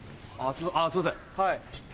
すいません